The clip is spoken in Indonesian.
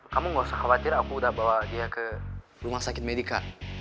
kamu gak usah khawatir aku udah bawa dia ke rumah sakit medica